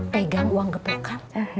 pegang uang gepukan